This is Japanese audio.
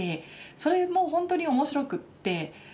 それも本当に面白くって。